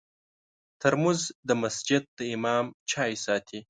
ترموز د مسجد د امام چای ساتي.